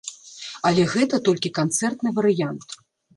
Але гэта толькі канцэртны варыянт.